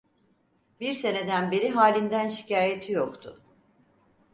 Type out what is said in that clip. Bir seneden beri halinden şikayeti yoktu.